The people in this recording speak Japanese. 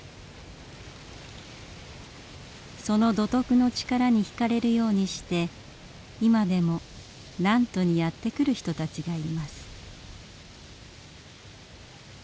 その土徳の力にひかれるようにして今でも南砺にやって来る人たちがいます。